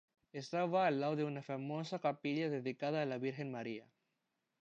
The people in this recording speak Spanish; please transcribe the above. Estaba al lado de una famosa capilla dedicada a la Virgen María.